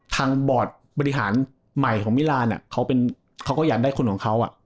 บอร์ดบริหารใหม่ของมิรานเขาก็อยากได้คนของเขา